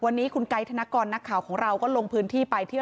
วันนี้คุณไกด์ธนกรนักข่าวของเราก็ลงพื้นที่ไปที่